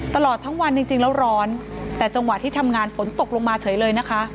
ตลอดทั้งวันจริงแล้วร้อนแต่จังหวะที่ทำงานฝนตกลงมาเฉยเลยนะคะ